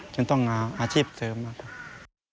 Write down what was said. จนต้องหาอาชีพเสริมนะครับ